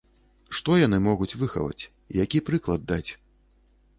Што яны могуць выхаваць, які прыклад даць?